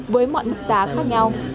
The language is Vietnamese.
với mọi mặt giá khác nhau